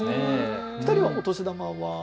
お二人は、お年玉は？